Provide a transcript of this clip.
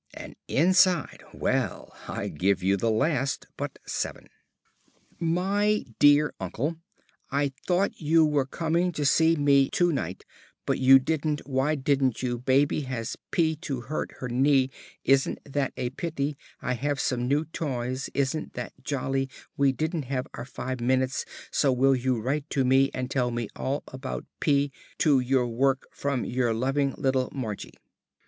And inside well, I give you the last but seven. "MY DEAR UNCLE I thot you wher coming to see me to night but you didnt why didnt you baby has p t o hurt her knee isnt that a pity I have some new toys isnt that jolly we didnt have our five minutes so will you krite to me and tell me all about p t o your work from your loving little MARGIE."